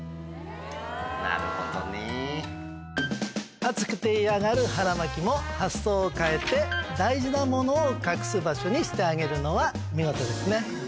暑くて嫌がる腹巻きも発想を変えて大事なものを隠す場所にしてあげるのは見事ですね。